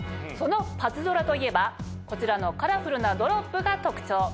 そのパズドラといえばこちらのカラフルなドロップが特徴。